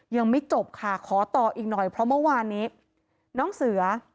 ยังไม่จบค่ะขอต่ออีกหน่อยเพราะเมื่อวานนี้น้องเสือ